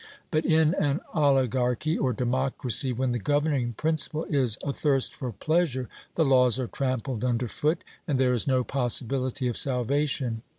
But in an oligarchy or democracy, when the governing principle is athirst for pleasure, the laws are trampled under foot, and there is no possibility of salvation.